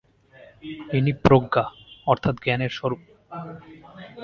ইনি প্রজ্ঞা অর্থাৎ জ্ঞানের স্বরূপ।